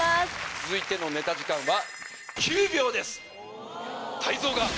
続いてのネタ時間は。